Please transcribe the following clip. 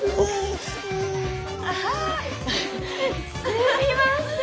すみません。